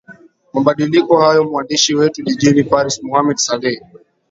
mabadiliko hayo mwandishi wetu jijini paris mohamed saleh